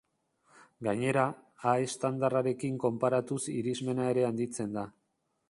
Gainera, a estandarrarekin konparatuz irismena ere handitzen da.